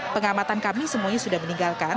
pengamatan kami semuanya sudah meninggalkan